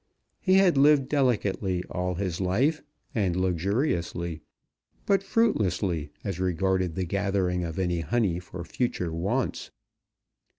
He had lived delicately all his life, and luxuriously, but fruitlessly as regarded the gathering of any honey for future wants.